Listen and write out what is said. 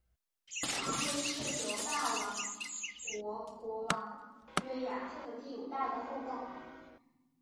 阿黑是犹大王国国王约雅敬的第五代的后代。